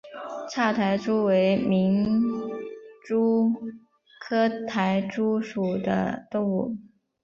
叉苔蛛为皿蛛科苔蛛属的动物。